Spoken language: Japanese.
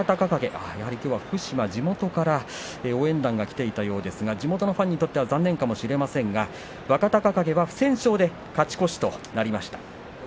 福島・地元からは応援団が来ていたようですが地元のファンにとっては残念かもしれませんが若隆景は不戦勝で勝ち越しとなりました。